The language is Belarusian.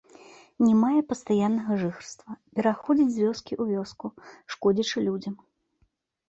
Не мае пастаяннага жыхарства, пераходзіць з вёскі ў вёску, шкодзячы людзям.